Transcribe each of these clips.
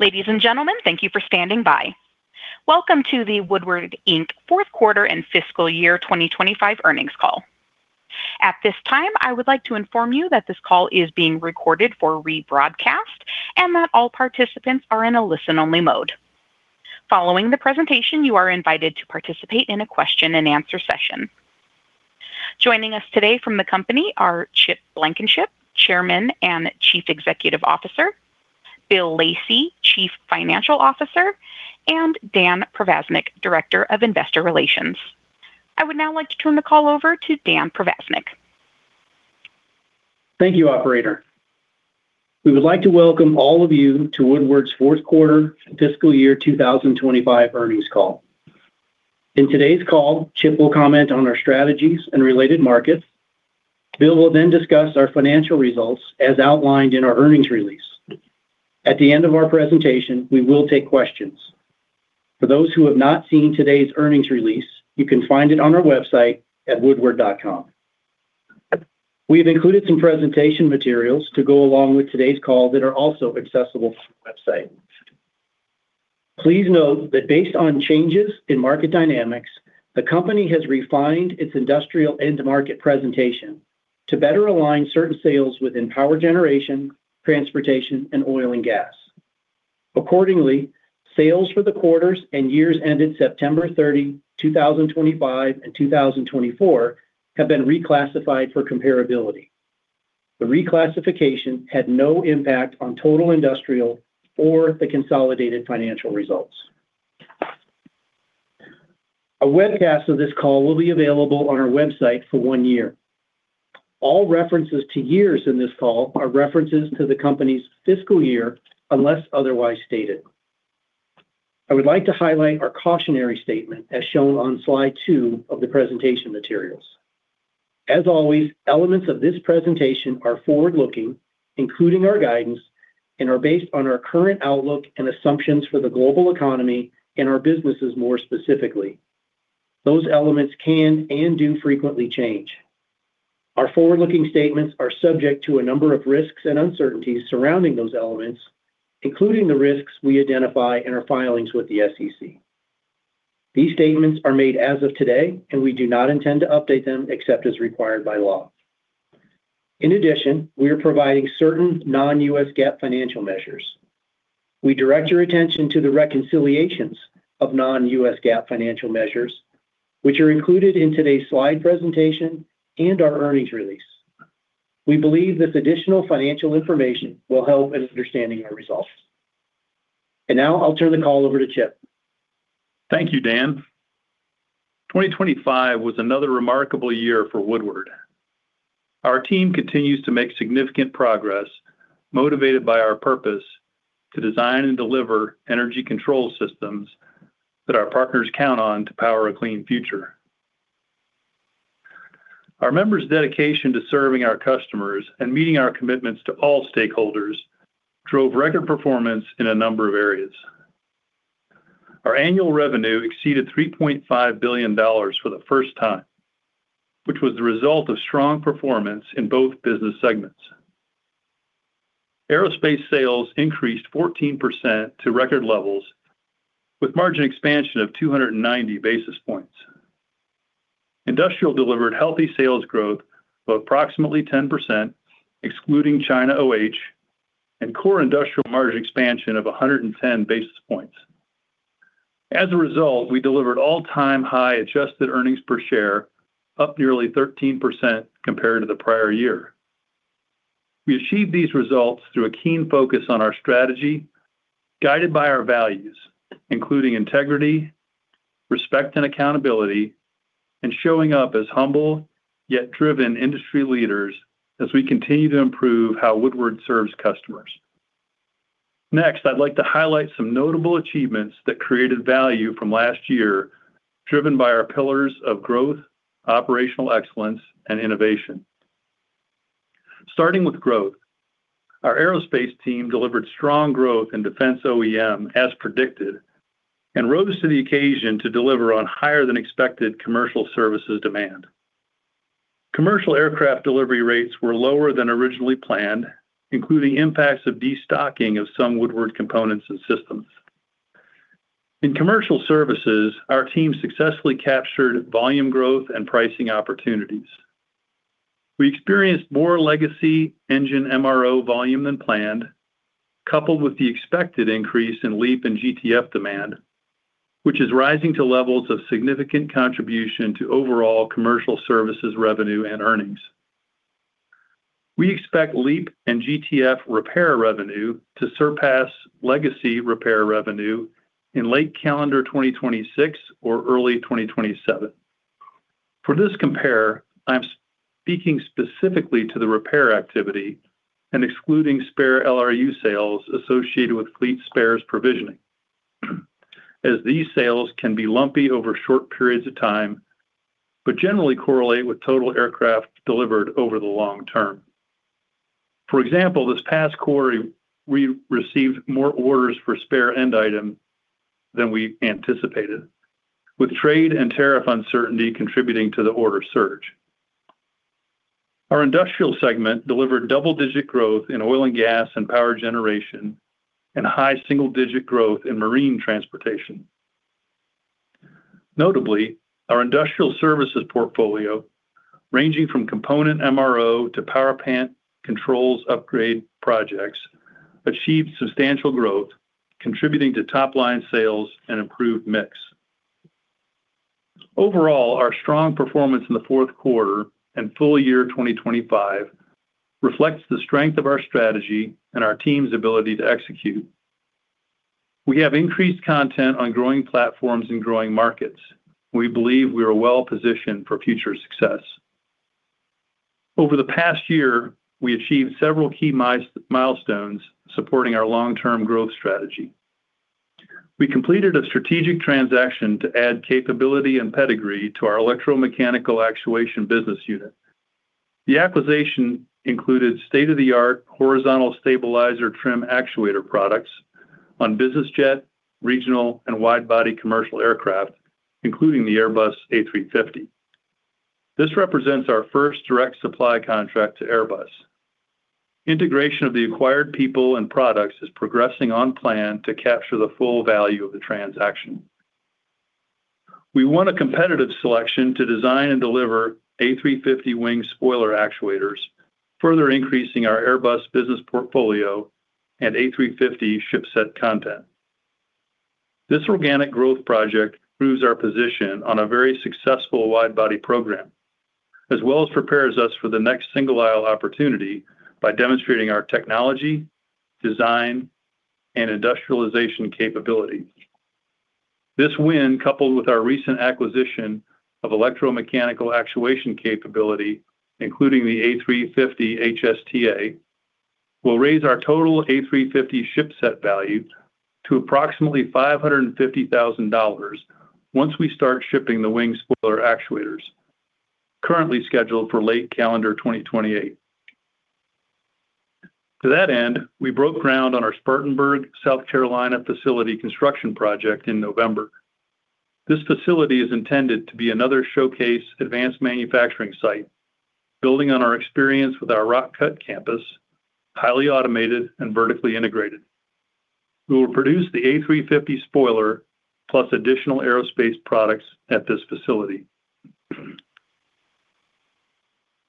Ladies and gentlemen, thank you for standing by. Welcome to the Woodward Inc fourth quarter and fiscal year 2025 earnings call. At this time, I would like to inform you that this call is being recorded for rebroadcast and that all participants are in a listen-only mode. Following the presentation, you are invited to participate in a question-and-answer session. Joining us today from the company are Chip Blankenship, Chairman and Chief Executive Officer; Bill Lacey, Chief Financial Officer; and Dan Provaznik, Director of Investor Relations. I would now like to turn the call over to Dan Provaznik. Thank you, operator. We would like to welcome all of you to Woodward's fourth quarter and fiscal year 2025 earnings call. In today's call, Chip will comment on our strategies and related markets. Bill will then discuss our financial results as outlined in our earnings release. At the end of our presentation, we will take questions. For those who have not seen today's earnings release, you can find it on our website at woodward.com. We have included some presentation materials to go along with today's call that are also accessible on the website. Please note that based on changes in market dynamics, the company has refined its industrial end-to-market presentation to better align certain sales within power generation, transportation, and oil and gas. Accordingly, sales for the quarters and years ended September 30, 2025 and 2024 have been reclassified for comparability. The reclassification had no impact on total industrial or the consolidated financial results. A webcast of this call will be available on our website for one year. All references to years in this call are references to the company's fiscal year unless otherwise stated. I would like to highlight our cautionary statement as shown on slide two of the presentation materials. As always, elements of this presentation are forward-looking, including our guidance, and are based on our current outlook and assumptions for the global economy and our businesses more specifically. Those elements can and do frequently change. Our forward-looking statements are subject to a number of risks and uncertainties surrounding those elements, including the risks we identify in our filings with the SEC. These statements are made as of today, and we do not intend to update them except as required by law. In addition, we are providing certain non-U.S. GAAP financial measures. We direct your attention to the reconciliations of non-U.S. GAAP financial measures, which are included in today's slide presentation and our earnings release. We believe this additional financial information will help in understanding our results. I will now turn the call over to Chip. Thank you, Dan. 2023 was another remarkable year for Woodward. Our team continues to make significant progress, motivated by our purpose to design and deliver energy control systems that our partners count on to power a clean future. Our members' dedication to serving our customers and meeting our commitments to all stakeholders drove record performance in a number of areas. Our annual revenue exceeded $3.5 billion for the first time, which was the result of strong performance in both business segments. Aerospace sales increased 14% to record levels, with margin expansion of 290 basis points. Industrial delivered healthy sales growth of approximately 10%, excluding China OH, and core industrial margin expansion of 110 basis points. As a result, we delivered all-time high adjusted earnings per share, up nearly 13% compared to the prior year. We achieved these results through a keen focus on our strategy, guided by our values, including integrity, respect and accountability, and showing up as humble yet driven industry leaders as we continue to improve how Woodward serves customers. Next, I'd like to highlight some notable achievements that created value from last year, driven by our pillars of growth, operational excellence, and innovation. Starting with growth, our aerospace team delivered strong growth in defense OEM as predicted and rose to the occasion to deliver on higher-than-expected commercial services demand. Commercial aircraft delivery rates were lower than originally planned, including impacts of destocking of some Woodward components and systems. In commercial services, our team successfully captured volume growth and pricing opportunities. We experienced more legacy engine MRO volume than planned, coupled with the expected increase in LEAP and GTF demand, which is rising to levels of significant contribution to overall commercial services revenue and earnings. We expect LEAP and GTF repair revenue to surpass legacy repair revenue in late calendar 2026 or early 2027. For this compare, I'm speaking specifically to the repair activity and excluding spare LRU sales associated with fleet spares provisioning, as these sales can be lumpy over short periods of time but generally correlate with total aircraft delivered over the long term. For example, this past quarter, we received more orders for spare end items than we anticipated, with trade and tariff uncertainty contributing to the order surge. Our industrial segment delivered double-digit growth in oil and gas and power generation and high single-digit growth in marine transportation. Notably, our industrial services portfolio, ranging from component MRO to power plant controls upgrade projects, achieved substantial growth, contributing to top-line sales and improved mix. Overall, our strong performance in the fourth quarter and full year 2025 reflects the strength of our strategy and our team's ability to execute. We have increased content on growing platforms and growing markets, and we believe we are well-positioned for future success. Over the past year, we achieved several key milestones supporting our long-term growth strategy. We completed a strategic transaction to add capability and pedigree to our electromechanical actuation business unit. The acquisition included state-of-the-art horizontal stabilizer trim actuator products on business jet, regional, and wide-body commercial aircraft, including the Airbus A350. This represents our first direct supply contract to Airbus. Integration of the acquired people and products is progressing on plan to capture the full value of the transaction. We won a competitive selection to design and deliver A350 wing spoiler actuators, further increasing our Airbus business portfolio and A350 ship set content. This organic growth project proves our position on a very successful wide-body program, as well as prepares us for the next single aisle opportunity by demonstrating our technology, design, and industrialization capability. This win, coupled with our recent acquisition of electromechanical actuation capability, including the A350 HSTA, will raise our total A350 ship set value to approximately $550,000 once we start shipping the wing spoiler actuators, currently scheduled for late calendar 2028. To that end, we broke ground on our Spartanburg, South Carolina facility construction project in November. This facility is intended to be another showcase advanced manufacturing site, building on our experience with our Rock Cut campus, highly automated and vertically integrated. We will produce the A350 spoiler plus additional aerospace products at this facility.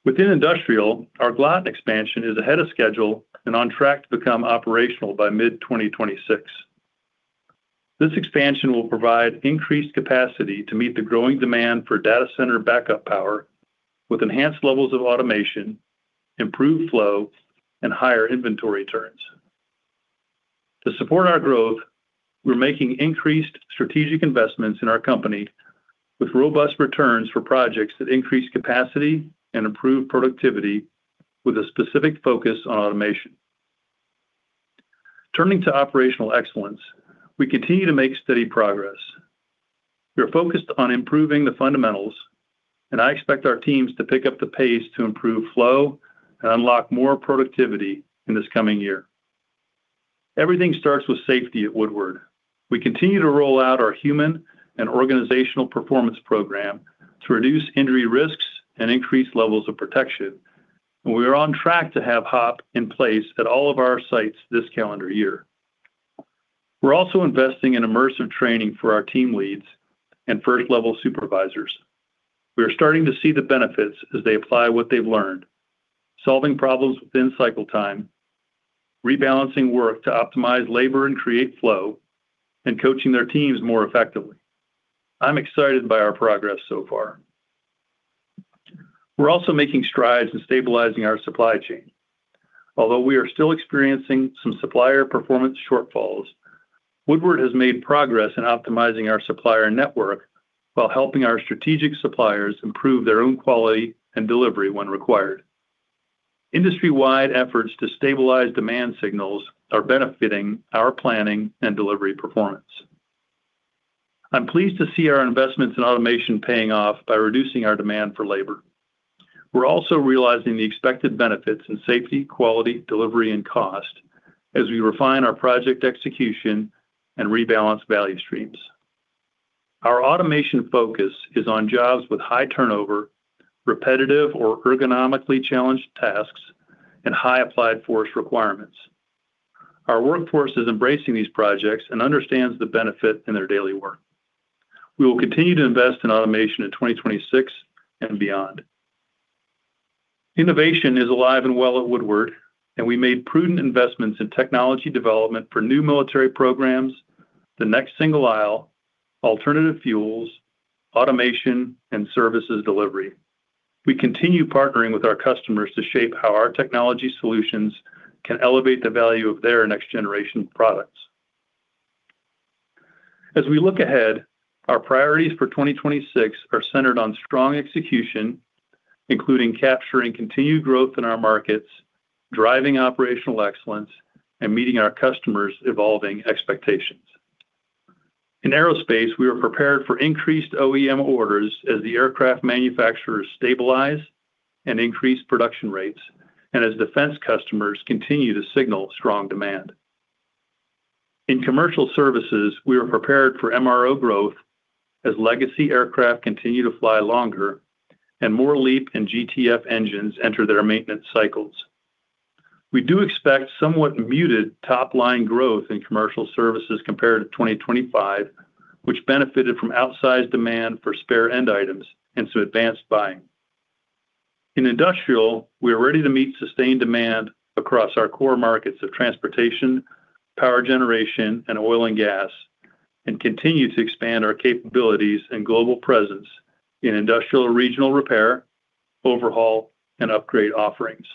Within industrial, our Glotton expansion is ahead of schedule and on track to become operational by mid-2026. This expansion will provide increased capacity to meet the growing demand for data center backup power with enhanced levels of automation, improved flow, and higher inventory turns. To support our growth, we're making increased strategic investments in our company with robust returns for projects that increase capacity and improve productivity with a specific focus on automation. Turning to operational excellence, we continue to make steady progress. We are focused on improving the fundamentals, and I expect our teams to pick up the pace to improve flow and unlock more productivity in this coming year. Everything starts with safety at Woodward. We continue to roll out our human and organizational performance program to reduce injury risks and increase levels of protection, and we are on track to have HOP in place at all of our sites this calendar year. We're also investing in immersive training for our team leads and first-level supervisors. We are starting to see the benefits as they apply what they've learned, solving problems within cycle time, rebalancing work to optimize labor and create flow, and coaching their teams more effectively. I'm excited by our progress so far. We're also making strides in stabilizing our supply chain. Although we are still experiencing some supplier performance shortfalls, Woodward has made progress in optimizing our supplier network while helping our strategic suppliers improve their own quality and delivery when required. Industry-wide efforts to stabilize demand signals are benefiting our planning and delivery performance. I'm pleased to see our investments in automation paying off by reducing our demand for labor. We're also realizing the expected benefits in safety, quality, delivery, and cost as we refine our project execution and rebalance value streams. Our automation focus is on jobs with high turnover, repetitive or ergonomically challenged tasks, and high applied force requirements. Our workforce is embracing these projects and understands the benefit in their daily work. We will continue to invest in automation in 2026 and beyond. Innovation is alive and well at Woodward, and we made prudent investments in technology development for new military programs, the next single aisle, alternative fuels, automation, and services delivery. We continue partnering with our customers to shape how our technology solutions can elevate the value of their next-generation products. As we look ahead, our priorities for 2026 are centered on strong execution, including capturing continued growth in our markets, driving operational excellence, and meeting our customers' evolving expectations. In aerospace, we are prepared for increased OEM orders as the aircraft manufacturers stabilize and increase production rates, and as defense customers continue to signal strong demand. In commercial services, we are prepared for MRO growth as legacy aircraft continue to fly longer and more LEAP and GTF engines enter their maintenance cycles. We do expect somewhat muted top-line growth in commercial services compared to 2025, which benefited from outsized demand for spare end items and some advanced buying. In industrial, we are ready to meet sustained demand across our core markets of transportation, power generation, and oil and gas, and continue to expand our capabilities and global presence in industrial regional repair, overhaul, and upgrade offerings.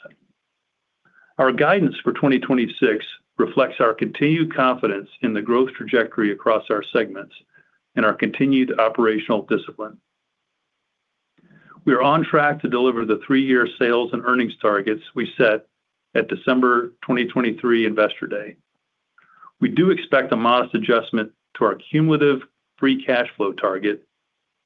Our guidance for 2026 reflects our continued confidence in the growth trajectory across our segments and our continued operational discipline. We are on track to deliver the three-year sales and earnings targets we set at December 2023 Investor Day. We do expect a modest adjustment to our cumulative free cash flow target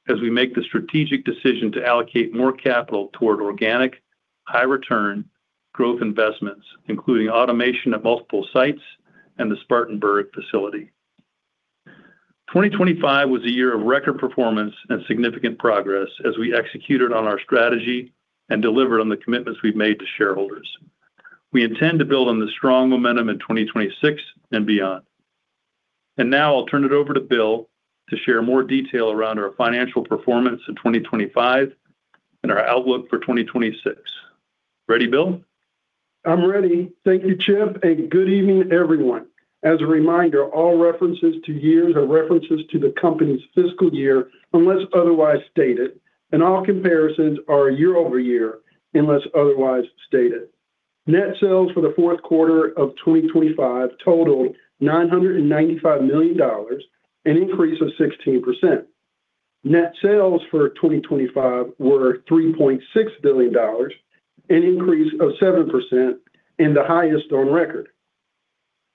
as we make the strategic decision to allocate more capital toward organic, high-return growth investments, including automation at multiple sites and the Spartanburg facility. 2025 was a year of record performance and significant progress as we executed on our strategy and delivered on the commitments we've made to shareholders. We intend to build on the strong momentum in 2026 and beyond. Now I'll turn it over to Bill to share more detail around our financial performance in 2025 and our outlook for 2026. Ready, Bill? I'm ready. Thank you, Chip. Good evening, everyone. As a reminder, all references to years are references to the company's fiscal year unless otherwise stated, and all comparisons are year-over-year unless otherwise stated. Net sales for the fourth quarter of 2025 totaled $995 million and increased by 16%. Net sales for 2025 were $3.6 billion, an increase of 7%, and the highest on record.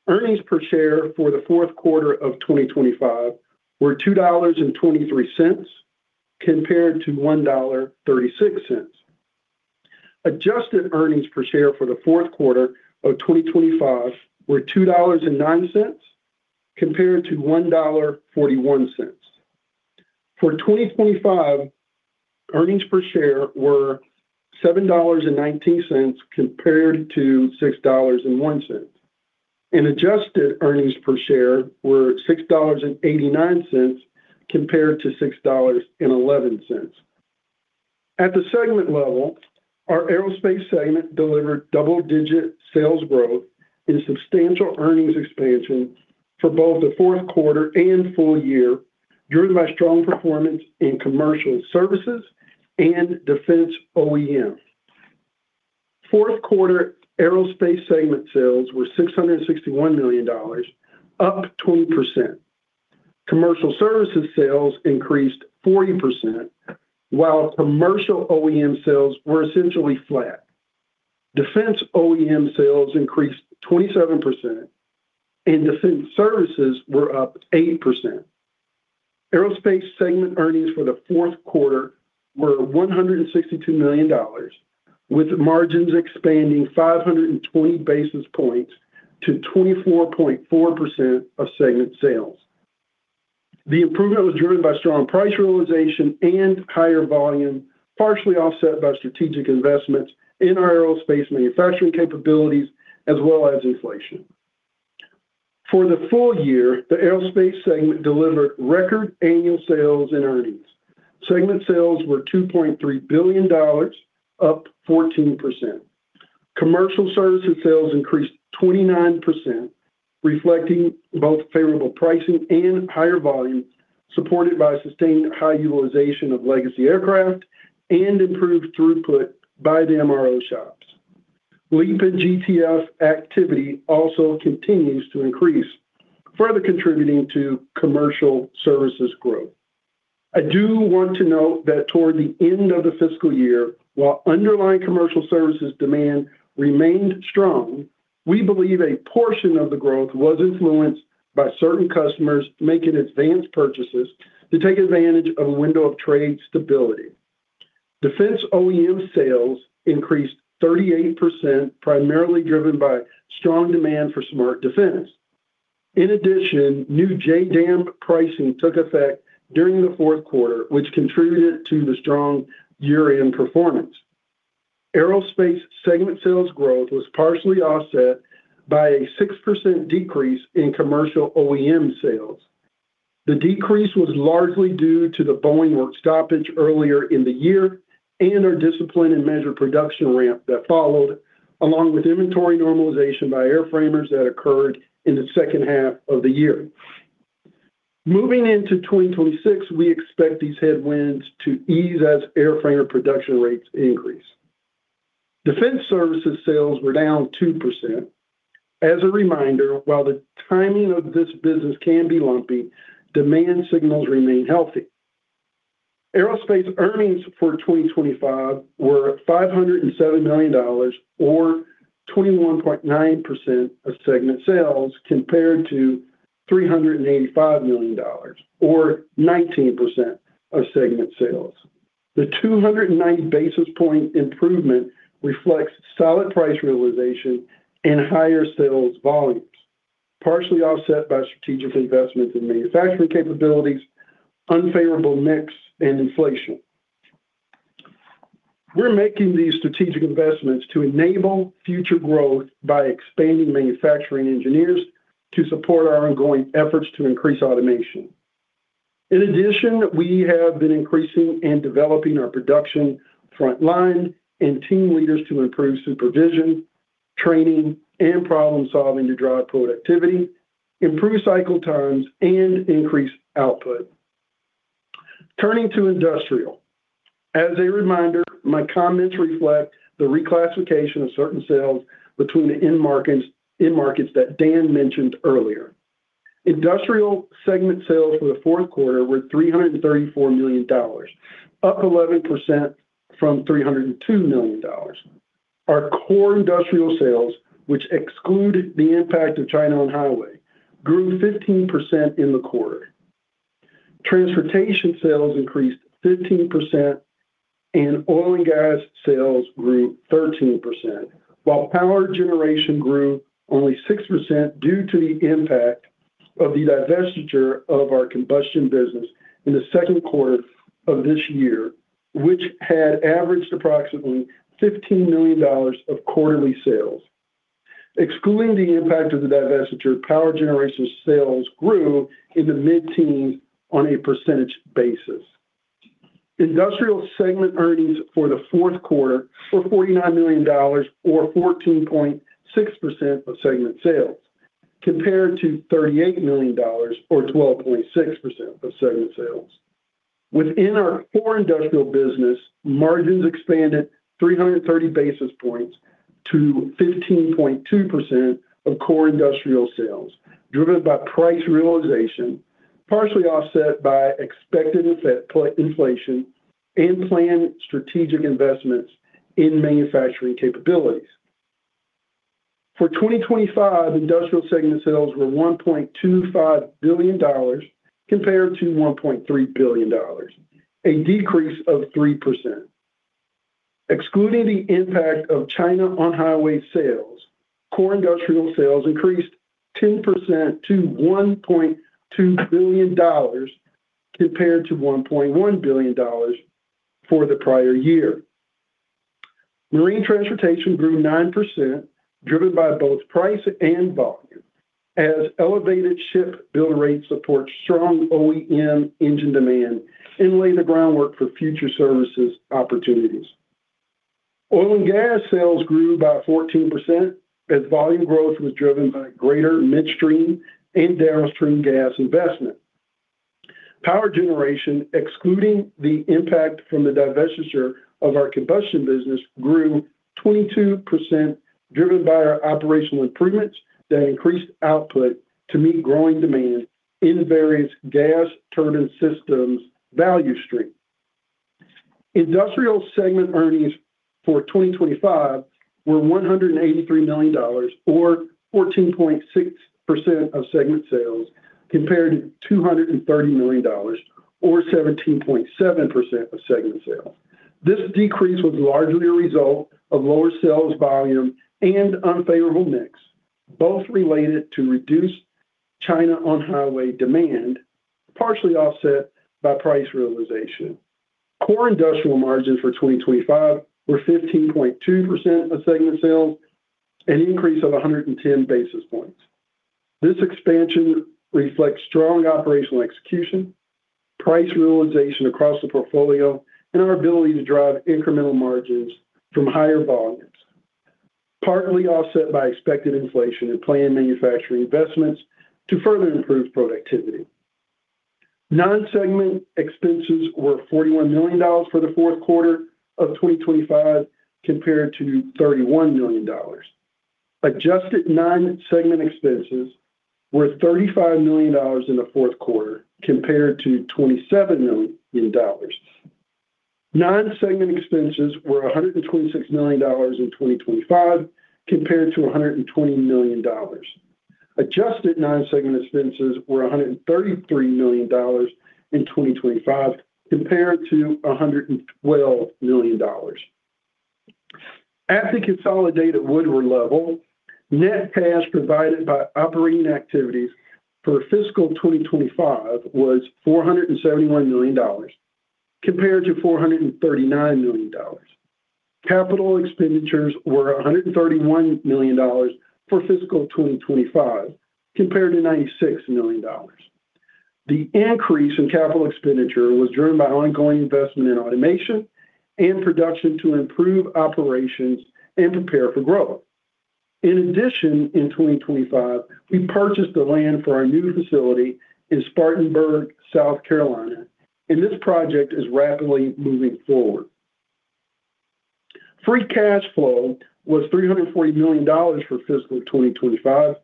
Earnings per share for the fourth quarter of 2025 were $2.23 compared to $1.36. Adjusted earnings per share for the fourth quarter of 2025 were $2.09 compared to $1.41. For 2025, earnings per share were $7.19 compared to $6.01, and adjusted earnings per share were $6.89 compared to $6.11. At the segment level, our aerospace segment delivered double-digit sales growth and substantial earnings expansion for both the fourth quarter and full year, driven by strong performance in commercial services and defense OEM. Fourth quarter aerospace segment sales were $661 million, up 20%. Commercial services sales increased 40%, while commercial OEM sales were essentially flat. Defense OEM sales increased 27%, and defense services were up 8%. Aerospace segment earnings for the fourth quarter were $162 million, with margins expanding 520 basis points to 24.4% of segment sales. The improvement was driven by strong price realization and higher volume, partially offset by strategic investments in our aerospace manufacturing capabilities, as well as inflation. For the full year, the aerospace segment delivered record annual sales and earnings. Segment sales were $2.3 billion, up 14%. Commercial services sales increased 29%, reflecting both favorable pricing and higher volume, supported by sustained high utilization of legacy aircraft and improved throughput by the MRO shops. LEAP and GTF activity also continues to increase, further contributing to commercial services growth. I do want to note that toward the end of the fiscal year, while underlying commercial services demand remained strong, we believe a portion of the growth was influenced by certain customers making advanced purchases to take advantage of a window of trade stability. Defense OEM sales increased 38%, primarily driven by strong demand for smart defense. In addition, new JDAM pricing took effect during the fourth quarter, which contributed to the strong year-end performance. Aerospace segment sales growth was partially offset by a 6% decrease in commercial OEM sales. The decrease was largely due to the Boeing work stoppage earlier in the year and our discipline and measured production ramp that followed, along with inventory normalization by airframers that occurred in the second half of the year. Moving into 2026, we expect these headwinds to ease as airframe production rates increase. Defense services sales were down 2%. As a reminder, while the timing of this business can be lumpy, demand signals remain healthy. Aerospace earnings for 2025 were $507 million, or 21.9% of segment sales, compared to $385 million, or 19% of segment sales. The 209 basis point improvement reflects solid price realization and higher sales volumes, partially offset by strategic investments in manufacturing capabilities, unfavorable mix, and inflation. We're making these strategic investments to enable future growth by expanding manufacturing engineers to support our ongoing efforts to increase automation. In addition, we have been increasing and developing our production frontline and team leaders to improve supervision, training, and problem-solving to drive productivity, improve cycle times, and increase output. Turning to industrial. As a reminder, my comments reflect the reclassification of certain sales between the end markets that Dan mentioned earlier. Industrial segment sales for the fourth quarter were $334 million, up 11% from $302 million. Our core industrial sales, which exclude the impact of China on-highway, grew 15% in the quarter. Transportation sales increased 15%, and oil and gas sales grew 13%, while power generation grew only 6% due to the impact of the divestiture of our combustion business in the second quarter of this year, which had averaged approximately $15 million of quarterly sales. Excluding the impact of the divestiture, power generation sales grew in the mid-teens on a percentage basis. Industrial segment earnings for the fourth quarter were $49 million, or 14.6% of segment sales, compared to $38 million, or 12.6% of segment sales. Within our core industrial business, margins expanded 330 basis points to 15.2% of core industrial sales, driven by price realization, partially offset by expected inflation and planned strategic investments in manufacturing capabilities. For 2025, industrial segment sales were $1.25 billion, compared to $1.3 billion, a decrease of 3%. Excluding the impact of China on-highway sales, core industrial sales increased 10% to $1.2 billion, compared to $1.1 billion for the prior year. Marine transportation grew 9%, driven by both price and volume, as elevated ship build rates support strong OEM engine demand and lay the groundwork for future services opportunities. Oil and gas sales grew by 14%, as volume growth was driven by greater midstream and downstream gas investment. Power generation, excluding the impact from the divestiture of our combustion business, grew 22%, driven by our operational improvements that increased output to meet growing demand in various gas turbine systems' value streams. Industrial segment earnings for 2025 were $183 million, or 14.6% of segment sales, compared to $230 million, or 17.7% of segment sales. This decrease was largely a result of lower sales volume and unfavorable mix, both related to reduced China on-highway demand, partially offset by price realization. Core industrial margins for 2025 were 15.2% of segment sales, an increase of 110 basis points. This expansion reflects strong operational execution, price realization across the portfolio, and our ability to drive incremental margins from higher volumes, partly offset by expected inflation and planned manufacturing investments to further improve productivity. Non-segment expenses were $41 million for the fourth quarter of 2025, compared to $31 million. Adjusted non-segment expenses were $35 million in the fourth quarter, compared to $27 million. Non-segment expenses were $126 million in 2025, compared to $120 million. Adjusted non-segment expenses were $133 million in 2025, compared to $112 million. At the consolidated Woodward level, net cash provided by operating activities for fiscal 2025 was $471 million, compared to $439 million. Capital expenditures were $131 million for fiscal 2025, compared to $96 million. The increase in capital expenditures was driven by ongoing investment in automation and production to improve operations and prepare for growth. In addition, in 2025, we purchased the land for our new facility in Spartanburg, South Carolina, and this project is rapidly moving forward. Free cash flow was $340 million for fiscal 2025,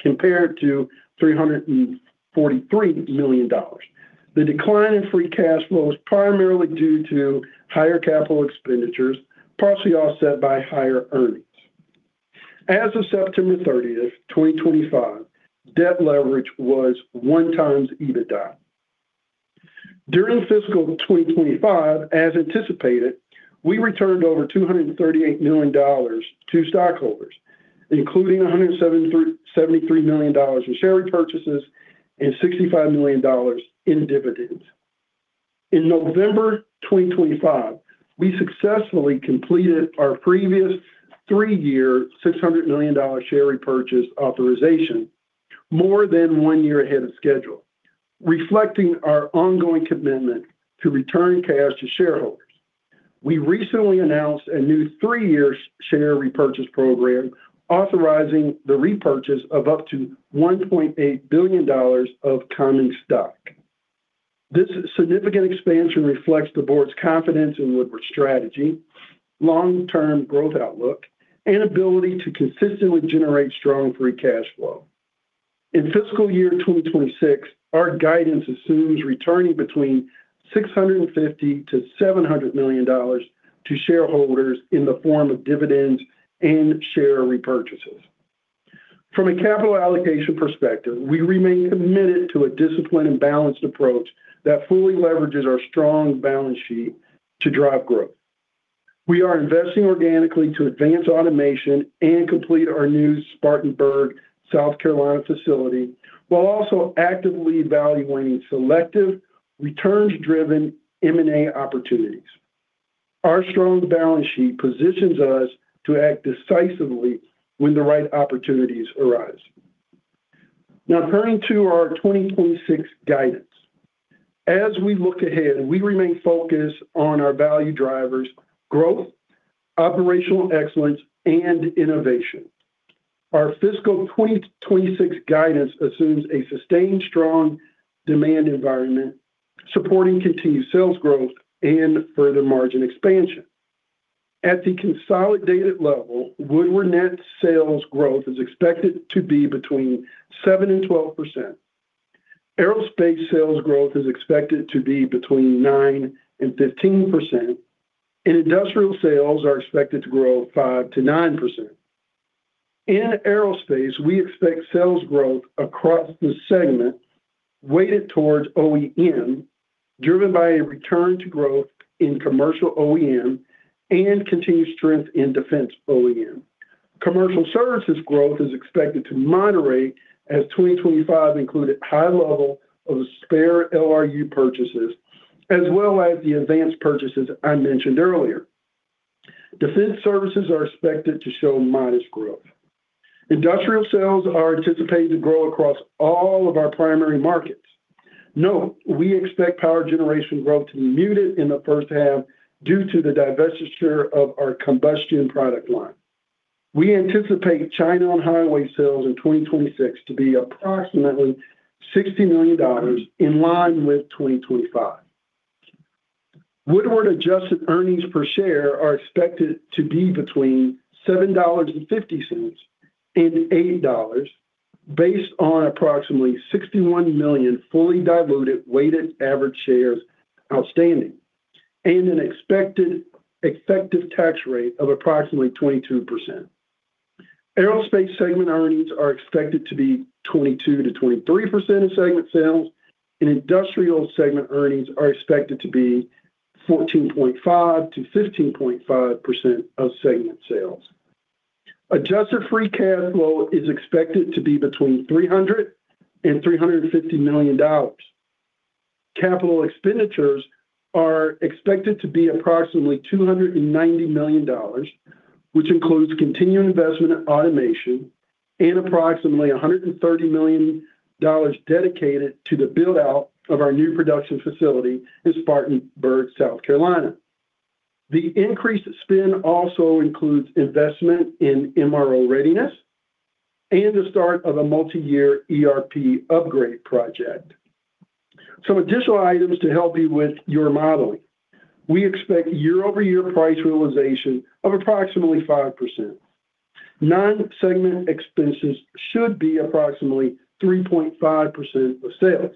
compared to $343 million. The decline in free cash flow was primarily due to higher capital expenditures, partially offset by higher earnings. As of September 30, 2025, debt leverage was one times EBITDA. During fiscal 2025, as anticipated, we returned over $238 million to stockholders, including $173 million in share repurchases and $65 million in dividends. In November 2025, we successfully completed our previous three-year $600 million share repurchase authorization, more than one year ahead of schedule, reflecting our ongoing commitment to return cash to shareholders. We recently announced a new three-year share repurchase program, authorizing the repurchase of up to $1.8 billion of common stock. This significant expansion reflects the board's confidence in Woodward's strategy, long-term growth outlook, and ability to consistently generate strong free cash flow. In fiscal year 2026, our guidance assumes returning between $650-$700 million to shareholders in the form of dividends and share repurchases. From a capital allocation perspective, we remain committed to a disciplined and balanced approach that fully leverages our strong balance sheet to drive growth. We are investing organically to advance automation and complete our new Spartanburg, South Carolina facility, while also actively evaluating selective, return-driven M&A opportunities. Our strong balance sheet positions us to act decisively when the right opportunities arise. Now, turning to our 2026 guidance. As we look ahead, we remain focused on our value drivers: growth, operational excellence, and innovation. Our fiscal 2026 guidance assumes a sustained strong demand environment, supporting continued sales growth and further margin expansion. At the consolidated level, Woodward net sales growth is expected to be between 7% and 12%. Aerospace sales growth is expected to be between 9% and 15%, and industrial sales are expected to grow 5% to 9%. In aerospace, we expect sales growth across the segment, weighted towards OEM, driven by a return to growth in commercial OEM and continued strength in defense OEM. Commercial services growth is expected to moderate as 2025 included high levels of spare LRU purchases, as well as the advanced purchases I mentioned earlier. Defense services are expected to show modest growth. Industrial sales are anticipated to grow across all of our primary markets. Note: we expect power generation growth to be muted in the first half due to the divestiture of our combustion product line. We anticipate China on-highway sales in 2026 to be approximately $60 million in line with 2025. Woodward adjusted earnings per share are expected to be between $7.50 and $8.00, based on approximately 61 million fully diluted weighted average shares outstanding, and an expected effective tax rate of approximately 22%. Aerospace segment earnings are expected to be 22%-23% of segment sales, and industrial segment earnings are expected to be 14.5%-15.5% of segment sales. Adjusted free cash flow is expected to be between $300 million and $350 million. Capital expenditures are expected to be approximately $290 million, which includes continued investment in automation and approximately $130 million dedicated to the build-out of our new production facility in Spartanburg, South Carolina. The increased spend also includes investment in MRO readiness and the start of a multi-year ERP upgrade project. Some additional items to help you with your modeling. We expect year-over-year price realization of approximately 5%. Non-segment expenses should be approximately 3.5% of sales.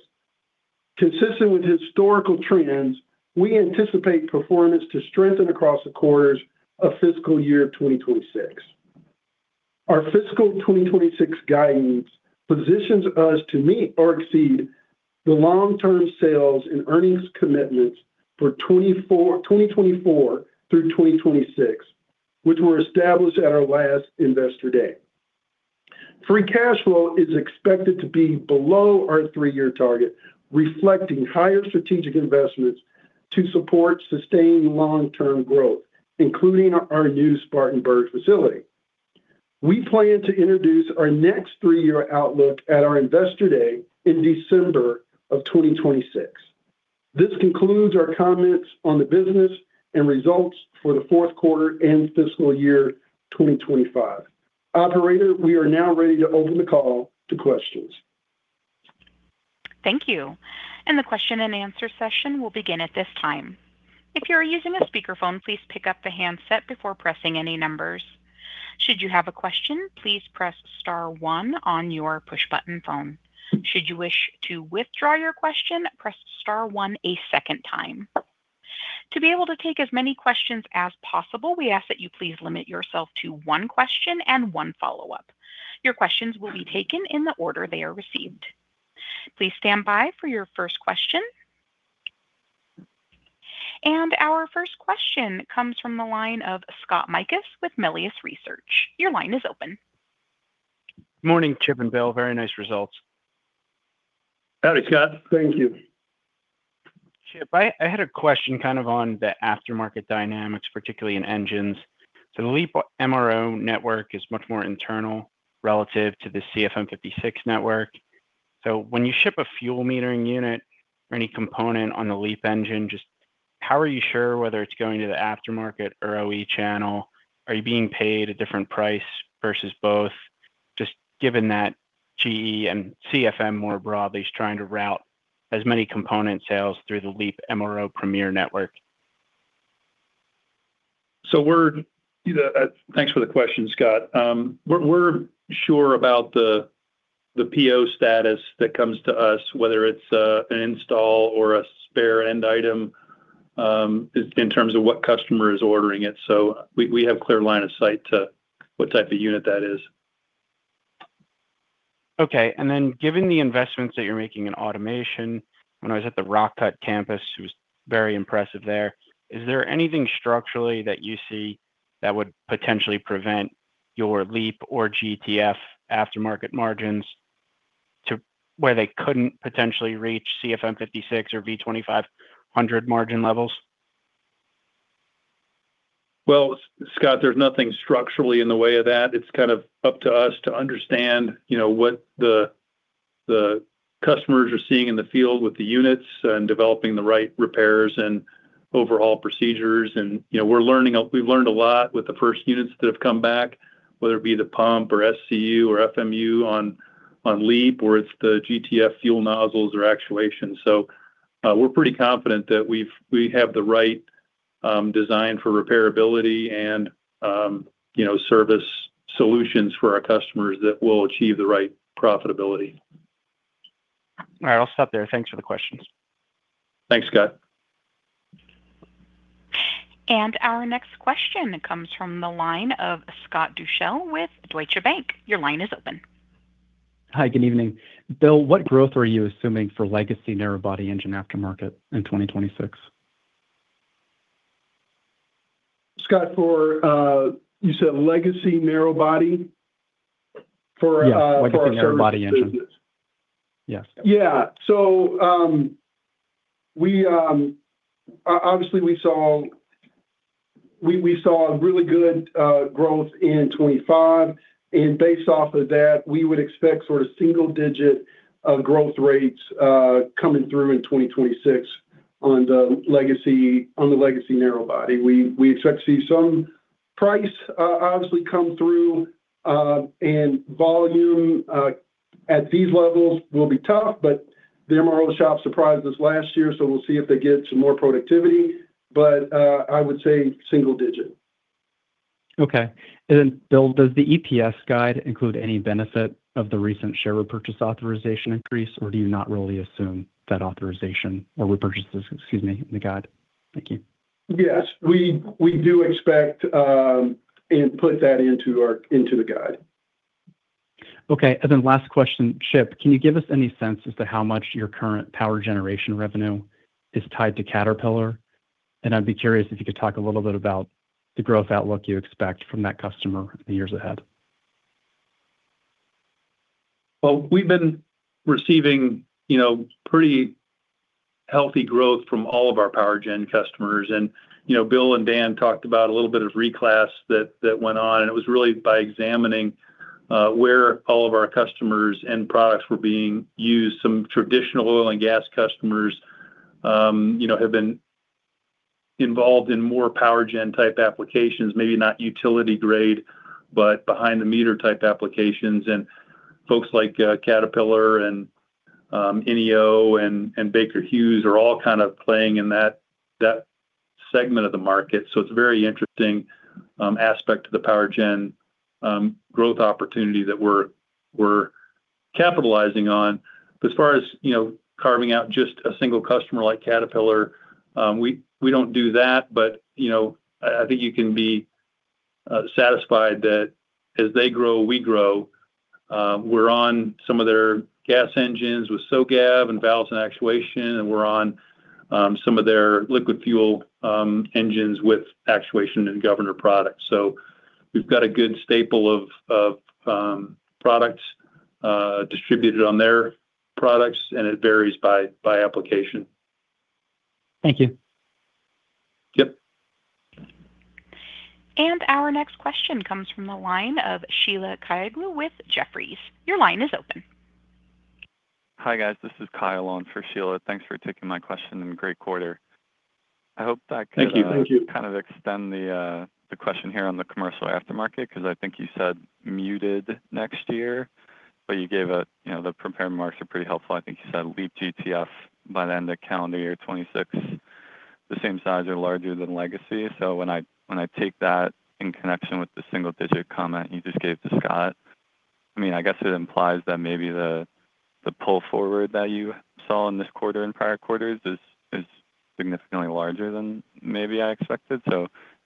Consistent with historical trends, we anticipate performance to strengthen across the quarters of fiscal year 2026. Our fiscal 2026 guidance positions us to meet or exceed the long-term sales and earnings commitments for 2024 through 2026, which were established at our last investor day. Free cash flow is expected to be below our three-year target, reflecting higher strategic investments to support sustained long-term growth, including our new Spartanburg facility. We plan to introduce our next three-year outlook at our investor day in December of 2026. This concludes our comments on the business and results for the fourth quarter and fiscal year 2025. Operator, we are now ready to open the call to questions. Thank you. The question and answer session will begin at this time. If you are using a speakerphone, please pick up the handset before pressing any numbers. Should you have a question, please press star one on your push button phone. Should you wish to withdraw your question, press star one a second time. To be able to take as many questions as possible, we ask that you please limit yourself to one question and one follow-up. Your questions will be taken in the order they are received. Please stand by for your first question. Our first question comes from the line of Scott Mikus with Melius Research. Your line is open. Good morning, Chip and Bill. Very nice results. Howdy, Scott. Thank you. Chip, I had a question kind of on the aftermarket dynamics, particularly in engines. The LEAP MRO network is much more internal relative to the CFM56 network. So when you ship a fuel metering unit or any component on the LEAP engine, just how are you sure whether it's going to the aftermarket or OE channel? Are you being paid a different price versus both? Just given that GE and CFM more broadly is trying to route as many component sales through the LEAP MRO Premier network. Thanks for the question, Scott. We're sure about the PO status that comes to us, whether it's an install or a spare end item in terms of what customer is ordering it. We have a clear line of sight to what type of unit that is. Okay. Given the investments that you're making in automation, when I was at the Rock Cut campus, it was very impressive there. Is there anything structurally that you see that would potentially prevent your LEAP or GTF aftermarket margins to where they couldn't potentially reach CFM56 or V2500 margin levels? Scott, there's nothing structurally in the way of that. It's kind of up to us to understand what the customers are seeing in the field with the units and developing the right repairs and overall procedures. We've learned a lot with the first units that have come back, whether it be the pump or SCU or FMU on LEAP, or it's the GTF fuel nozzles or actuation. We're pretty confident that we have the right design for repairability and service solutions for our customers that will achieve the right profitability. All right. I'll stop there. Thanks for the questions. Thanks, Scott. Our next question comes from the line of Scott Douchelle with Deutsche Bank. Your line is open. Hi, good evening. Bill, what growth are you assuming for legacy narrowbody engine aftermarket in 2026? Scott, you said legacy narrowbody for? Yeah, legacy narrowbody engines. Yes. Yeah. Obviously, we saw really good growth in 2025. Based off of that, we would expect sort of single-digit growth rates coming through in 2026 on the legacy narrowbody. We expect to see some price, obviously, come through. Volume at these levels will be tough, but the MRO shop surprised us last year, so we will see if they get some more productivity. I would say single digit. Okay. And then, Bill, does the EPS guide include any benefit of the recent share repurchase authorization increase, or do you not really assume that authorization or repurchases, excuse me, in the guide? Thank you. Yes, we do expect and put that into the guide. Okay. Last question, Chip, can you give us any sense as to how much your current power generation revenue is tied to Caterpillar? I'd be curious if you could talk a little bit about the growth outlook you expect from that customer in the years ahead. We have been receiving pretty healthy growth from all of our power gen customers. Bill and Dan talked about a little bit of reclass that went on. It was really by examining where all of our customers and products were being used. Some traditional oil and gas customers have been involved in more power gen type applications, maybe not utility grade, but behind-the-meter type applications. Folks like Caterpillar and INNIO and Baker Hughes are all kind of playing in that segment of the market. It is a very interesting aspect of the power gen growth opportunity that we are capitalizing on. As far as carving out just a single customer like Caterpillar, we do not do that. I think you can be satisfied that as they grow, we grow. We're on some of their gas engines with SOGAV and valves and actuation, and we're on some of their liquid fuel engines with actuation and governor products. We've got a good staple of products distributed on their products, and it varies by application. Thank you. Yep. Our next question comes from the line of Sheila Kahyaoglu with Jefferies. Your line is open. Hi guys, this is Kyle on for Sheila. Thanks for taking my question and the great quarter. I hope that can. Thank you. Kind of extend the question here on the commercial aftermarket because I think you said muted next year, but you gave it the prepared marks are pretty helpful. I think you said LEAP GTF by the end of calendar year 2026, the same size or larger than legacy. When I take that in connection with the single-digit comment you just gave to Scott, I mean, I guess it implies that maybe the pull forward that you saw in this quarter and prior quarters is significantly larger than maybe I expected.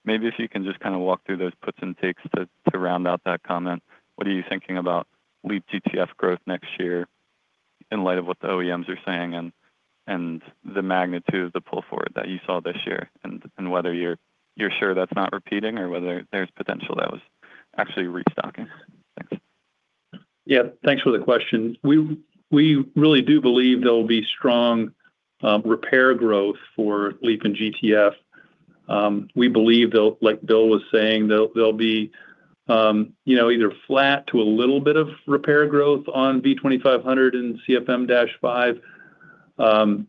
Maybe if you can just kind of walk through those puts and takes to round out that comment, what are you thinking about LEAP GTF growth next year in light of what the OEMs are saying and the magnitude of the pull forward that you saw this year and whether you're sure that's not repeating or whether there's potential that was actually restocking? Thanks. Yeah. Thanks for the question. We really do believe there'll be strong repair growth for LEAP and GTF. We believe, like Bill was saying, there'll be either flat to a little bit of repair growth on V2500 and CFM56.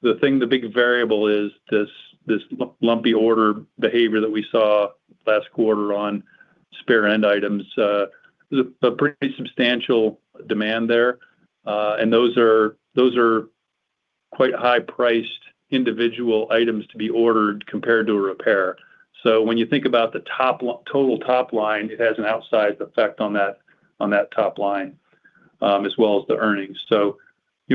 The big variable is this lumpy order behavior that we saw last quarter on spare end items. There's a pretty substantial demand there. Those are quite high-priced individual items to be ordered compared to a repair. When you think about the total top line, it has an outsized effect on that top line as well as the earnings.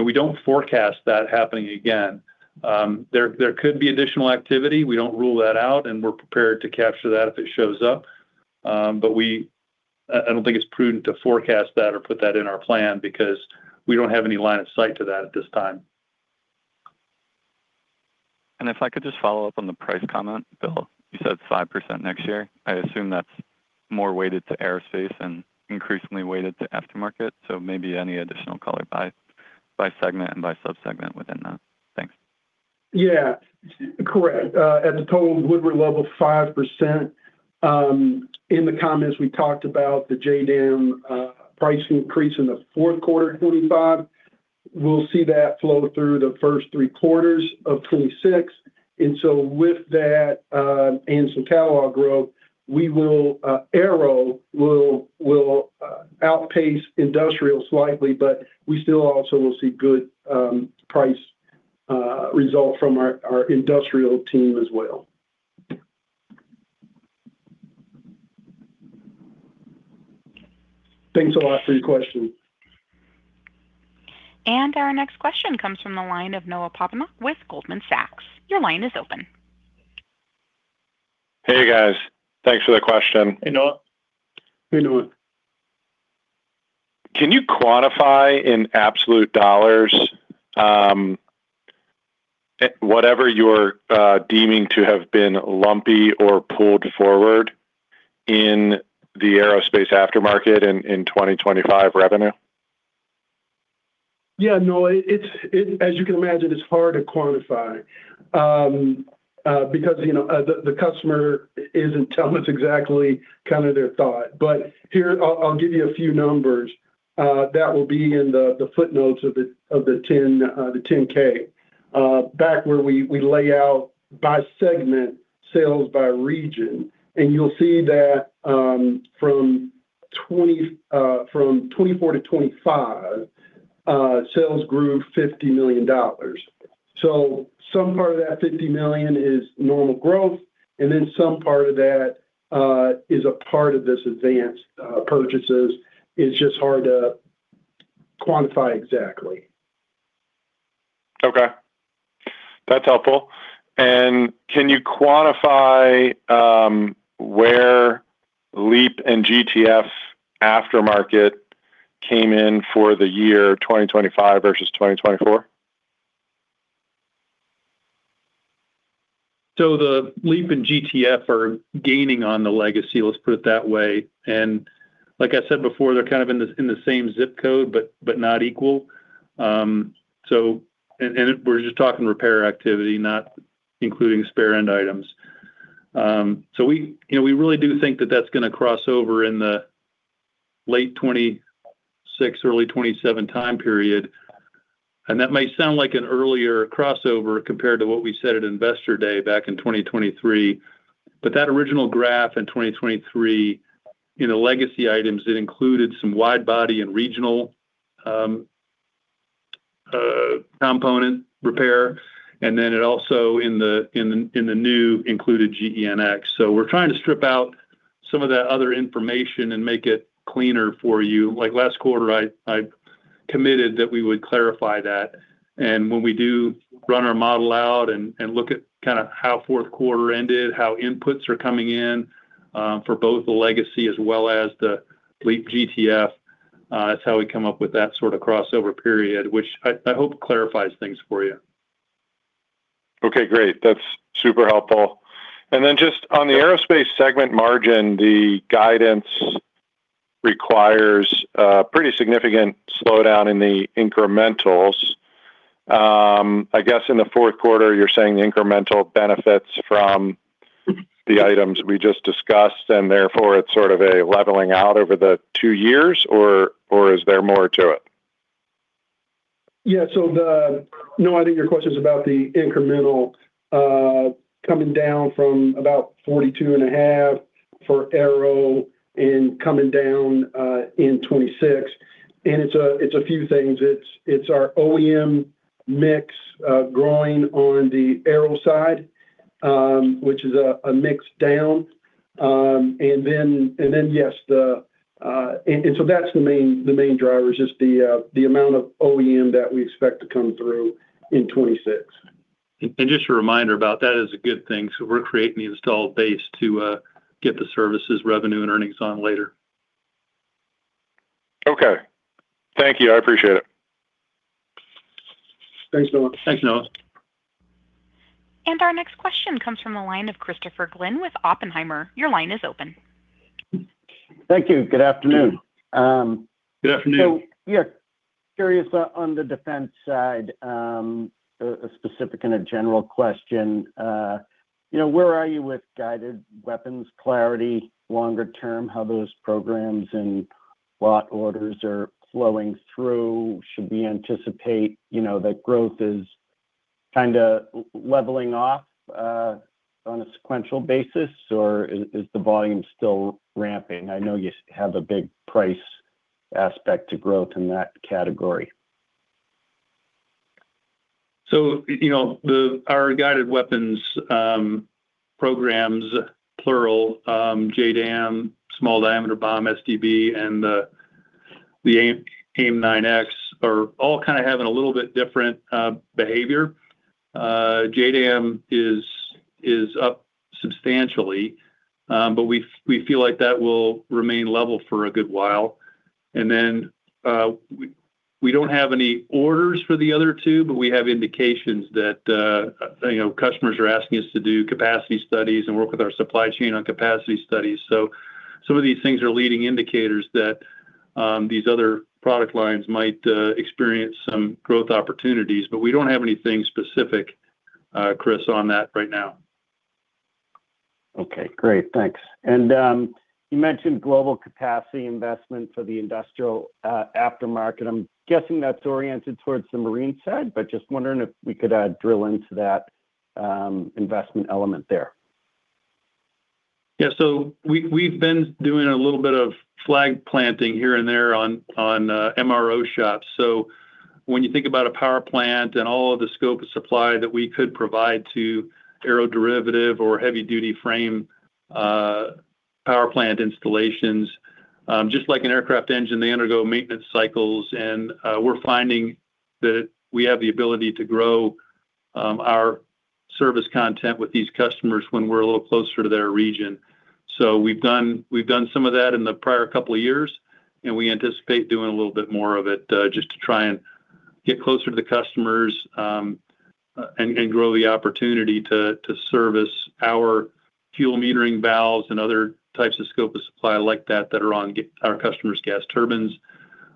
We don't forecast that happening again. There could be additional activity. We don't rule that out, and we're prepared to capture that if it shows up. I don't think it's prudent to forecast that or put that in our plan because we don't have any line of sight to that at this time. If I could just follow up on the price comment, Bill, you said 5% next year. I assume that's more weighted to aerospace and increasingly weighted to aftermarket. Maybe any additional color by segment and by subsegment within that. Thanks. Yeah. Correct. At the total Woodward level of 5%, in the comments we talked about the JDAM price increase in the fourth quarter of 2025, we'll see that flow through the first three quarters of 2026. With that and some catalog growth, Aero will outpace industrial slightly, but we still also will see good price results from our industrial team as well. Thanks a lot for your question. Our next question comes from the line of Noah Poponak with Goldman Sachs. Your line is open. Hey, guys. Thanks for the question. Hey, Noah. Can you quantify in absolute dollars whatever you're deeming to have been lumpy or pulled forward in the aerospace aftermarket in 2025 revenue? Yeah. No, as you can imagine, it's hard to quantify because the customer isn't telling us exactly kind of their thought. Here, I'll give you a few numbers that will be in the footnotes of the 10K. Back where we lay out by segment, sales by region. You'll see that from 2024 to 2025, sales grew $50 million. Some part of that $50 million is normal growth, and then some part of that is a part of this advanced purchases. It's just hard to quantify exactly. Okay. That's helpful. Can you quantify where LEAP and GTF aftermarket came in for the year 2025 versus 2024? The LEAP and GTF are gaining on the legacy, let's put it that way. Like I said before, they're kind of in the same zip code, but not equal. We're just talking repair activity, not including spare end items. We really do think that that's going to cross over in the late 2026, early 2027 time period. That may sound like an earlier crossover compared to what we said at Investor Day back in 2023. That original graph in 2023, in the legacy items, included some wide body and regional component repair. It also, in the new, included GEnx. We're trying to strip out some of that other information and make it cleaner for you. Like last quarter, I committed that we would clarify that. When we do run our model out and look at kind of how fourth quarter ended, how inputs are coming in for both the legacy as well as the LEAP GTF, that's how we come up with that sort of crossover period, which I hope clarifies things for you. Okay. Great. That's super helpful. Then just on the aerospace segment margin, the guidance requires a pretty significant slowdown in the incrementals. I guess in the fourth quarter, you're saying the incremental benefits from the items we just discussed, and therefore it's sort of a leveling out over the two years, or is there more to it? Yeah. No, I think your question is about the incremental coming down from about $42.5 for Aero and coming down in 2026. It is a few things. It is our OEM mix growing on the Aero side, which is a mix down. Yes, that is the main driver, just the amount of OEM that we expect to come through in 2026. Just a reminder about that, it is a good thing. We are creating the installed base to get the services revenue and earnings on later. Okay. Thank you. I appreciate it. Thanks, Noah. Our next question comes from the line of Christopher Glynn with Oppenheimer. Your line is open. Thank you. Good afternoon. Good afternoon. Yeah, curious on the defense side, a specific and a general question. Where are you with guided weapons clarity, longer term, how those programs and lot orders are flowing through? Should we anticipate that growth is kind of leveling off on a sequential basis, or is the volume still ramping? I know you have a big price aspect to growth in that category. Our guided weapons programs, plural, JDAM, small diameter bomb, SDB, and the AIM-9X are all kind of having a little bit different behavior. JDAM is up substantially, but we feel like that will remain level for a good while. We do not have any orders for the other two, but we have indications that customers are asking us to do capacity studies and work with our supply chain on capacity studies. Some of these things are leading indicators that these other product lines might experience some growth opportunities. We do not have anything specific, Chris, on that right now. Okay. Great. Thanks. You mentioned global capacity investment for the industrial aftermarket. I'm guessing that's oriented towards the marine side, but just wondering if we could drill into that investment element there. Yeah. We have been doing a little bit of flag planting here and there on MRO shops. When you think about a power plant and all of the scope of supply that we could provide to aeroderivative or heavy-duty frame power plant installations, just like an aircraft engine, they undergo maintenance cycles. We are finding that we have the ability to grow our service content with these customers when we are a little closer to their region. We have done some of that in the prior couple of years, and we anticipate doing a little bit more of it just to try and get closer to the customers and grow the opportunity to service our fuel metering valves and other types of scope of supply like that that are on our customers' gas turbines,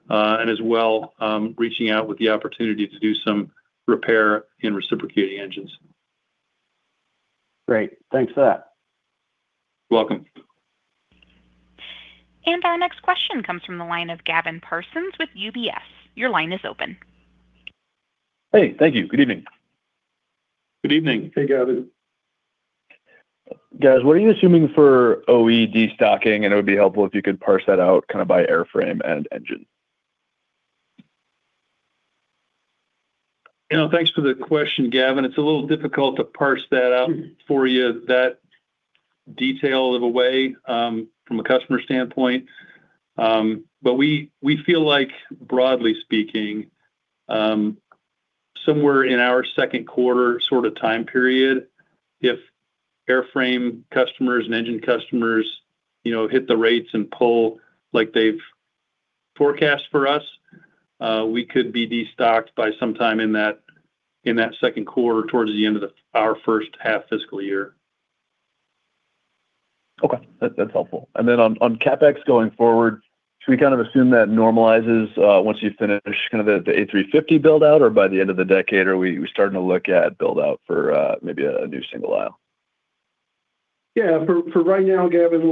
as well as reaching out with the opportunity to do some repair in reciprocating engines. Great. Thanks for that. You're welcome. Our next question comes from the line of Gavin Parsons with UBS. Your line is open. Hey. Thank you. Good evening. Good evening. Hey, Gavin. Guys, what are you assuming for OE de-stocking? It would be helpful if you could parse that out kind of by airframe and engine. Thanks for the question, Gavin. It's a little difficult to parse that out for you, that detail of a way from a customer standpoint. But we feel like, broadly speaking, somewhere in our second quarter sort of time period, if airframe customers and engine customers hit the rates and pull like they've forecast for us, we could be de-stocked by sometime in that second quarter towards the end of our first half fiscal year. Okay. That's helpful. Then on CapEx going forward, should we kind of assume that normalizes once you finish kind of the A350 build-out or by the end of the decade, or are we starting to look at build-out for maybe a new single aisle? Yeah. For right now, Gavin,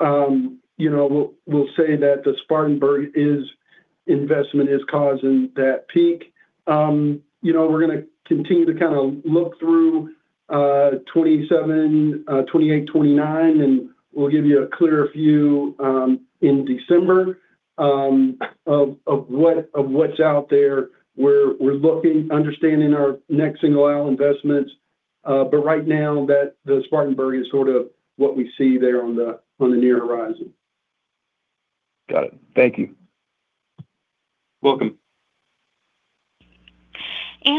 we'll say that the Spartanburg investment is causing that peak. We're going to continue to kind of look through 2027, 2028, 2029, and we'll give you a clear view in December of what's out there. We're understanding our next single aisle investments. Right now, the Spartanburg is sort of what we see there on the near horizon. Got it. Thank you. You're welcome.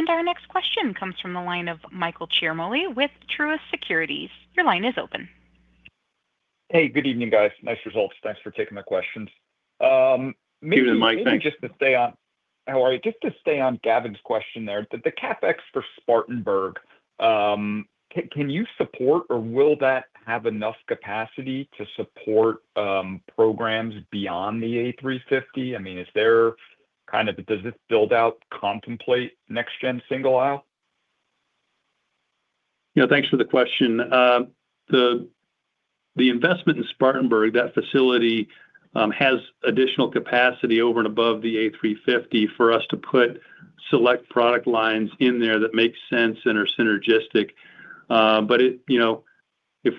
Our next question comes from the line of Michael Ciarmoli with Truist Securities. Your line is open. Hey, good evening, guys. Nice results. Thanks for taking my questions. Here's Mike. Thanks. Just to stay on—how are you? Just to stay on Gavin's question there. The CapEx for Spartanburg, can you support, or will that have enough capacity to support programs beyond the A350? I mean, is there kind of—does this build-out contemplate next-gen single aisle? Yeah. Thanks for the question. The investment in Spartanburg, that facility has additional capacity over and above the A350 for us to put select product lines in there that make sense and are synergistic.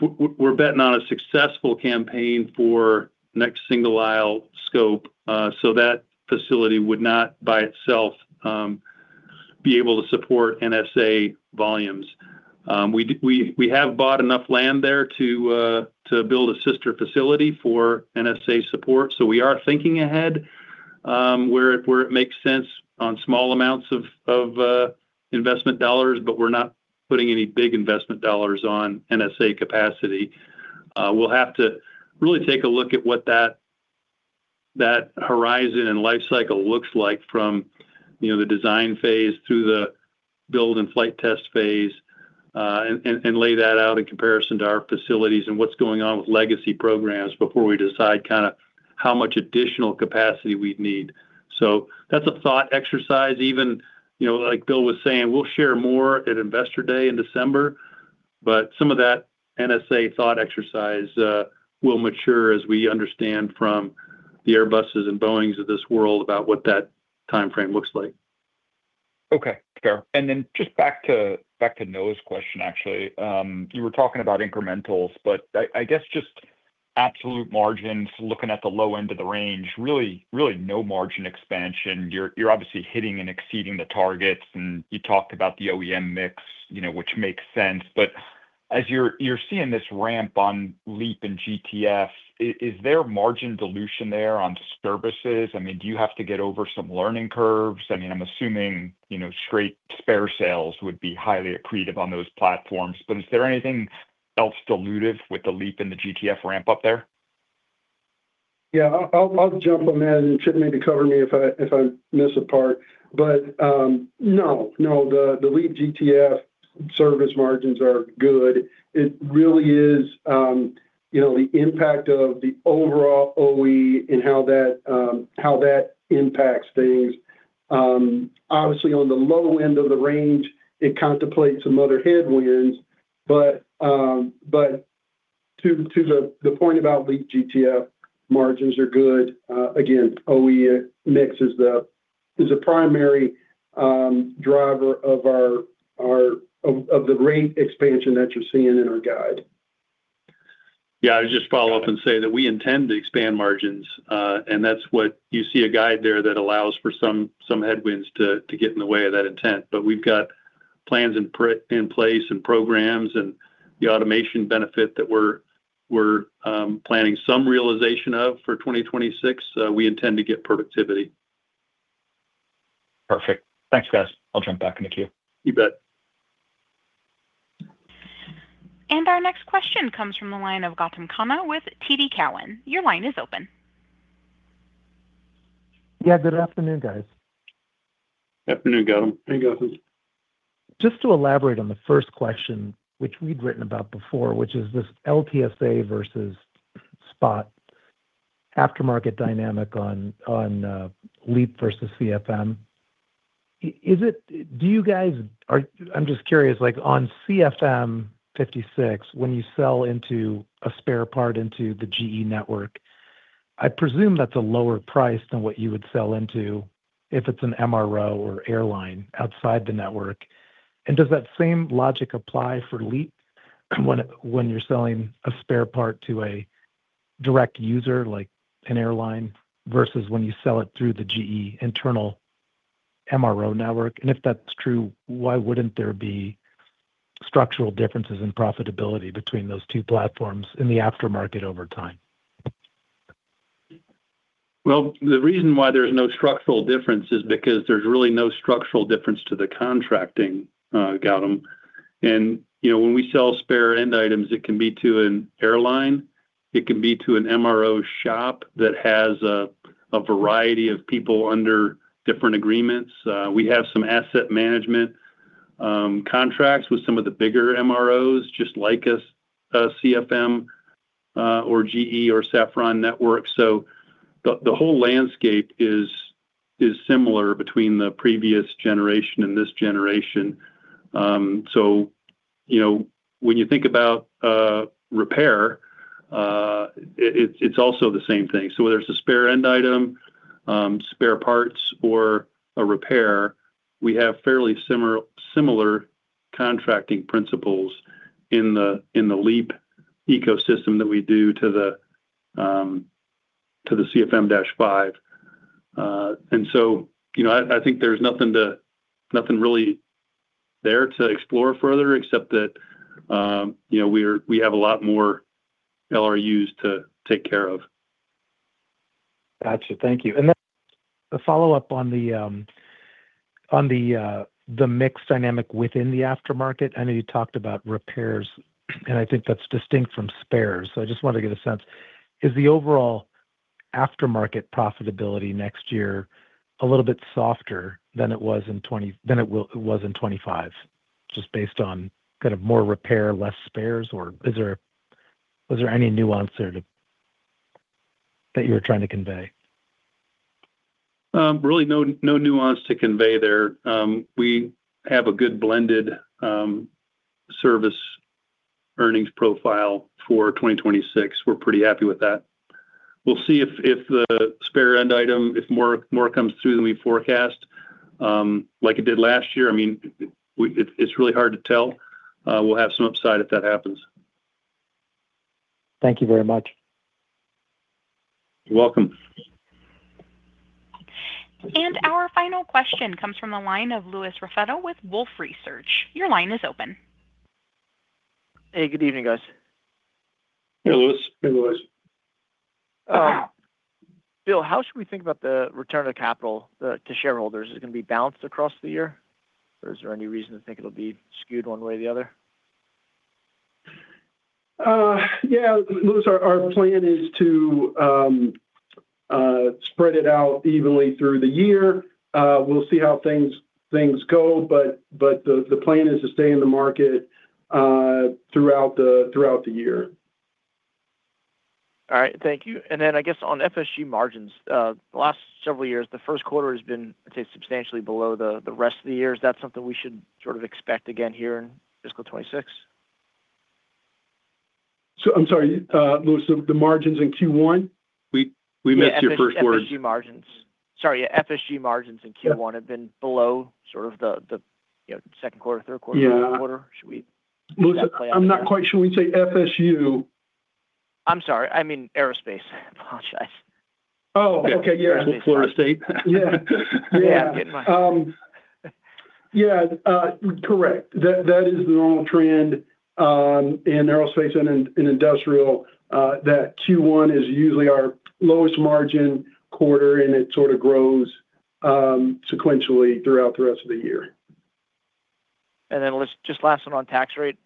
We're betting on a successful campaign for next single aisle scope. That facility would not, by itself, be able to support NSA volumes. We have bought enough land there to build a sister facility for NSA support. We are thinking ahead where it makes sense on small amounts of investment dollars, but we're not putting any big investment dollars on NSA capacity. We'll have to really take a look at what that horizon and life cycle looks like from the design phase through the build and flight test phase and lay that out in comparison to our facilities and what's going on with legacy programs before we decide kind of how much additional capacity we'd need. That's a thought exercise. Even like Bill was saying, we'll share more at Investor Day in December, but some of that NSA thought exercise will mature as we understand from the Airbuses and Boeings of this world about what that timeframe looks like. Okay. Sure. And then just back to Noah's question, actually. You were talking about incrementals, but I guess just absolute margins, looking at the low end of the range, really no margin expansion. You're obviously hitting and exceeding the targets, and you talked about the OEM mix, which makes sense. As you're seeing this ramp on LEAP and GTF, is there margin dilution there on services? I mean, do you have to get over some learning curves? I mean, I'm assuming straight spare sales would be highly accretive on those platforms. Is there anything else dilutive with the LEAP and the GTF ramp up there? Yeah. I'll jump on that, and Chip maybe cover me if I miss a part. No, no, the LEAP GTF service margins are good. It really is the impact of the overall OE and how that impacts things. Obviously, on the low end of the range, it contemplates some other headwinds. To the point about LEAP GTF, margins are good. Again, OE mix is the primary driver of the rate expansion that you're seeing in our guide. Yeah. I would just follow up and say that we intend to expand margins, and that's what you see, a guide there that allows for some headwinds to get in the way of that intent. We've got plans in place and programs and the automation benefit that we're planning some realization of for 2026. We intend to get productivity. Perfect. Thanks, guys. I'll jump back into queue. You bet. Our next question comes from the line of Gautam Khanna with TD Cowen. Your line is open. Yeah. Good afternoon, guys. Afternoon, Gautam. Hey, Gautam. Just to elaborate on the first question, which we'd written about before, which is this LTSA versus Spot aftermarket dynamic on LEAP versus CFM. Do you guys—I’m just curious—on CFM56, when you sell into a spare part into the GE network, I presume that's a lower price than what you would sell into if it's an MRO or airline outside the network. Does that same logic apply for LEAP when you're selling a spare part to a direct user like an airline versus when you sell it through the GE internal MRO network? If that's true, why wouldn't there be structural differences in profitability between those two platforms in the aftermarket over time? The reason why there's no structural difference is because there's really no structural difference to the contracting, Gautam. When we sell spare end items, it can be to an airline. It can be to an MRO shop that has a variety of people under different agreements. We have some asset management contracts with some of the bigger MROs, just like a CFM or GE or Safran network. The whole landscape is similar between the previous generation and this generation. When you think about repair, it's also the same thing. Whether it's a spare end item, spare parts, or a repair, we have fairly similar contracting principles in the LEAP ecosystem that we do to the CFM56. I think there's nothing really there to explore further except that we have a lot more LRUs to take care of. Gotcha. Thank you. A follow-up on the mixed dynamic within the aftermarket. I know you talked about repairs, and I think that is distinct from spares. I just wanted to get a sense. Is the overall aftermarket profitability next year a little bit softer than it was in 2025, just based on kind of more repair, less spares, or was there any nuance there that you were trying to convey? Really, no nuance to convey there. We have a good blended service earnings profile for 2026. We're pretty happy with that. We'll see if the spare end item, if more comes through than we forecast, like it did last year. I mean, it's really hard to tell. We'll have some upside if that happens. Thank you very much. You're welcome. Our final question comes from the line of Louis Raffetto with Wolfe Research. Your line is open. Hey, good evening, guys. Hey, Louis. Hey, Louis. Bill, how should we think about the return of capital to shareholders? Is it going to be balanced across the year, or is there any reason to think it'll be skewed one way or the other? Yeah. Louis, our plan is to spread it out evenly through the year. We'll see how things go, but the plan is to stay in the market throughout the year. All right. Thank you. I guess on FSG margins, the last several years, the first quarter has been, I'd say, substantially below the rest of the year. Is that something we should sort of expect again here in fiscal 2026? I'm sorry, Louis, the margins in Q1? We missed your first word. Yes, FSG margins. Sorry. FSG margins in Q1 have been below sort of the second quarter, third quarter, fourth quarter. Should we play on that? I'm not quite sure when you say FSU. I'm sorry. I mean aerospace. I apologize. Oh, okay. Yeah. Florida State. Yeah. Yeah. Correct. That is the normal trend in aerospace and industrial, that Q1 is usually our lowest margin quarter, and it sort of grows sequentially throughout the rest of the year. Just last one on tax rate.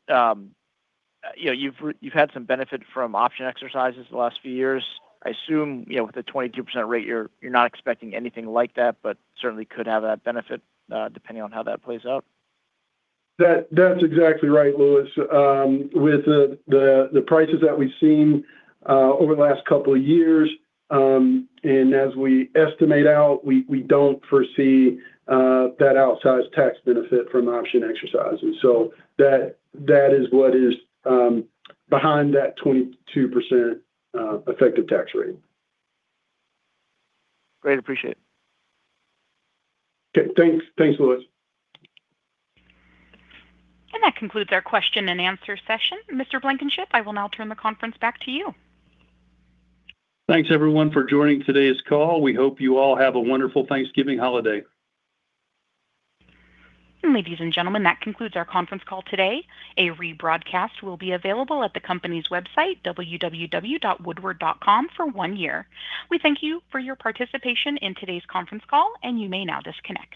You've had some benefit from option exercises the last few years. I assume with the 22% rate, you're not expecting anything like that, but certainly could have that benefit depending on how that plays out. That's exactly right, Louis. With the prices that we've seen over the last couple of years, and as we estimate out, we don't foresee that outsized tax benefit from option exercises. That is what is behind that 22% effective tax rate. Great. Appreciate it. Okay. Thanks, Louis. That concludes our question and answer session. Mr. Blankenship, I will now turn the conference back to you. Thanks, everyone, for joining today's call. We hope you all have a wonderful Thanksgiving holiday. Ladies and gentlemen, that concludes our conference call today. A rebroadcast will be available at the company's website, www.woodward.com, for one year. We thank you for your participation in today's conference call, and you may now disconnect.